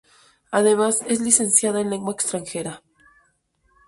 Además es licenciada en lengua extranjera.